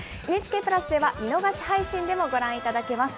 ＮＨＫプラスでは見逃し配信でもご覧いただけます。